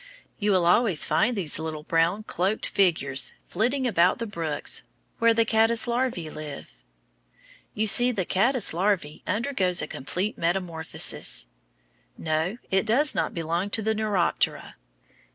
You will always find these little brown cloaked figures flitting about the brooks, where the caddice larvæ live. You see the caddice undergoes a complete metamorphosis. No, it does not belong to the Neuroptera.